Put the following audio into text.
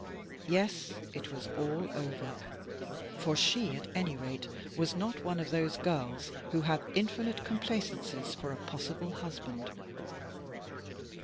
Yes, it was all over, for she, at any rate, was not one of those girls who have infinite com plaisance for a possible husband.